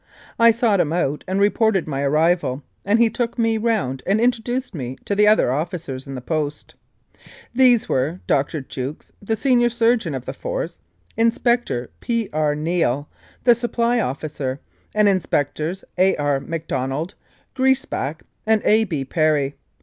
I sought him out and reported my arrival, and he took me round and introduced me to the other officers in the Post. These were Dr. Jukes, the senior surgeon of the Force; Inspector P. R. Neale, the supply officer; and Inspectors A. R. Macdonell, Greisbach and A. B. Perry.